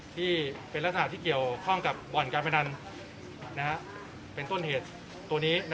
ที่เป็นลักษณะที่เกี่ยวข้องกับบ่อนการพนันเป็นต้นเหตุตัวนี้